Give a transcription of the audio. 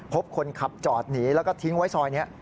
พบคนขับจอดหนีแล้วก็ทิ้งไว้ซอยนี้